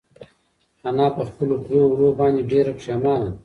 انا په خپلو کړو وړو باندې ډېره پښېمانه ده.